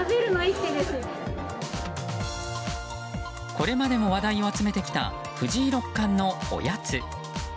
これまでも話題を集めてきた藤井六冠のおやつ。